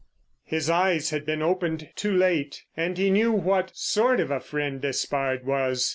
His eyes had been opened too late, and he knew what sort of a friend Despard was.